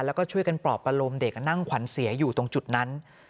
แล้วก็ช่วยกันปลอบประโลมเด็กนั่งขวัญเสียอยู่ตรงจุดนั้น